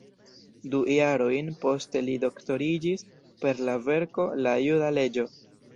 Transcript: Du jarojn poste li doktoriĝis per la verko "La juda leĝo.